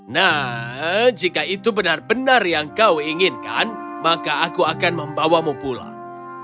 nah jika itu benar benar yang kau inginkan maka aku akan membawamu pulang